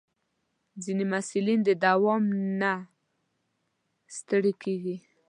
ځینې محصلین د دوام نه ستړي کېږي.